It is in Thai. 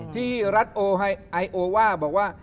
ที่รัฐไอโอว่าบอกว่า